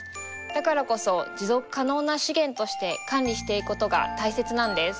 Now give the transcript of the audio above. だからこそ持続可能な資源として管理していくことが大切なんです。